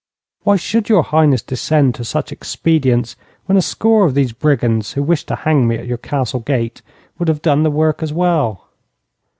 'Why should your Highness descend to such expedients when a score of these brigands, who wished to hang me at your castle gate, would have done the work as well?'